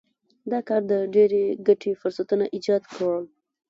دا کار د ډېرې ګټې فرصتونه ایجاد کړل.